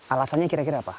alasannya kira kira apa